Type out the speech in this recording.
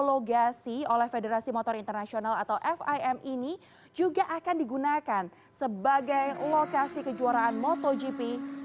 logasi oleh federasi motor international atau fim ini juga akan digunakan sebagai lokasi kejuaraan motogp dua ribu dua puluh dua